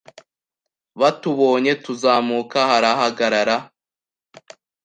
Batubonye tuzamuka harahagarara